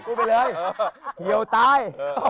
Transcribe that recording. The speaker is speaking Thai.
พูดไปเลยเหี่ยวตาย